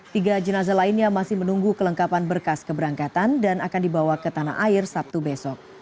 tiga jenazah lainnya masih menunggu kelengkapan berkas keberangkatan dan akan dibawa ke tanah air sabtu besok